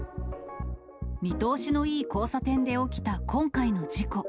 見通しのいい交差点で起きた今回の事故。